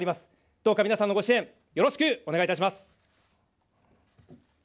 どうか皆さんのご支援、よろしくお願いいたします。